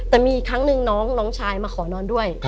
แต่มีอีกครั้งหนึ่งน้องชายมาขอนอนด้วย